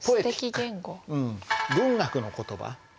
文学の言葉。